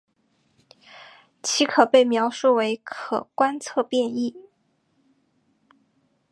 其可被描述为可观测变异。